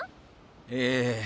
ええ。